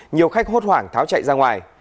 nhiều khách hốt hoảng tháo chạy ra ngoài